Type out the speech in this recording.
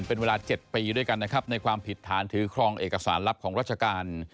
เป็นเวลา๗ปีด้วยกันนะครับในความผิดฐานถือครองเอกสารลับของราชการ